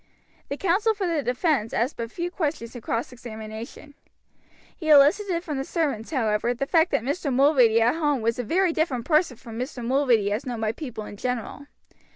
The counsel for the defense asked but few questions in cross examination. He elicited from the servants, however, the fact that Mr. Mulready at home was a very different person from Mr. Mulready as known by people in general.